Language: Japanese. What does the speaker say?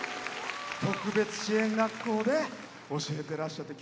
特別支援学校で教えてらっしゃって。